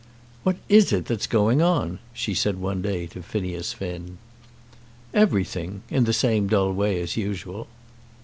"What is it that's going on?" she said one day to Phineas Finn. "Everything, in the same dull way as usual."